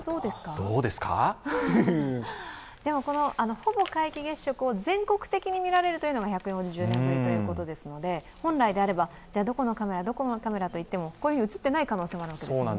ほぼ皆既月食を全国的に見られるというのが１４０年ぶりということですので本来であれば、どこのカメラ、どこのカメラといってもこういうふうに映っていない可能性もありますからね。